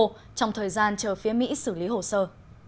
trong thời gian chờ phía mỹ xử lý hồ sơ